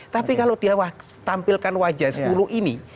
tapi kalau dia tampilkan wajah sepuluh ini